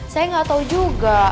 saya gak tau juga